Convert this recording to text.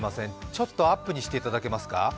ちょっとアップにしていただけますか。